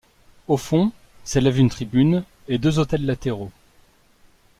Au fond s'élèvent une tribune et deux autels latéraux.